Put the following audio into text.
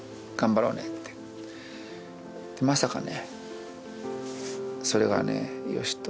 まさかね。